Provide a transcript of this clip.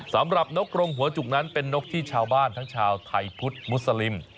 นกกรงหัวจุกนั้นเป็นนกที่ชาวบ้านทั้งชาวไทยพุทธมุสลิม